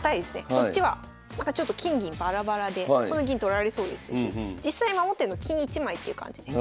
こっちは金銀バラバラでこの銀取られそうですし実際守ってんの金１枚っていう感じです。